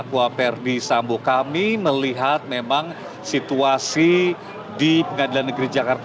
yang kedua pengadilan negeri jakarta selatan akan menjalani sidang dengan agenda perubahan